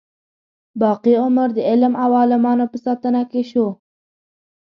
باقي عمر د علم او عالمانو په ساتنه کې شو.